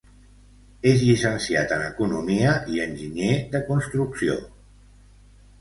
És llicenciat en economia i enginyer de construcció.